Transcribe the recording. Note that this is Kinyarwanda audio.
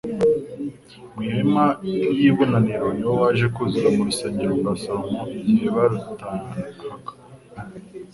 mu ihema iy'ibonaniro; ni wo waje kuzura mu rusengero rwa Salomo igihe; barutahaga.